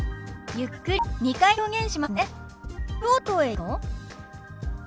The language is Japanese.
ゆっくり２回表現しますね。